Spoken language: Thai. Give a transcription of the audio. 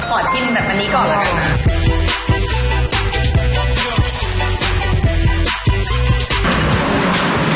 ขอชิมแบบนี้ก่อนละกันนะ